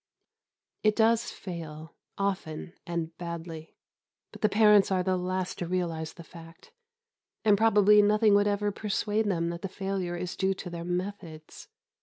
It does fail, often and badly; but the parents are the last to realise the fact, and probably nothing would ever persuade them that the failure is due to their methods.